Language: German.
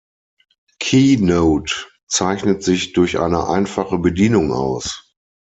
Keynote zeichnet sich durch eine einfache Bedienung aus.